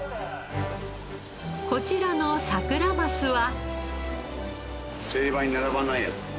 こちらのサクラマスは。